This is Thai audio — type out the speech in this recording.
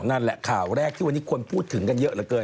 นั่นแหละข่าวแรกที่วันนี้คนพูดถึงกันเยอะเหลือเกิน